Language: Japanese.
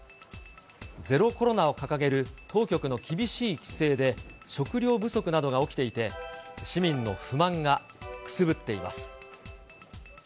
ゼロコロナを掲げる当局の厳しい規制で食料不足などが起きていて、市民の不満がくすぶっています。